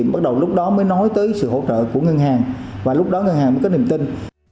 bắt đầu lúc đó mới nói tới sự hỗ trợ của ngân hàng và lúc đó ngân hàng mới có niềm tin